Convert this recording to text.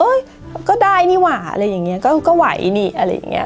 ก็ได้นี่หว่าอะไรอย่างนี้ก็ไหวนี่อะไรอย่างนี้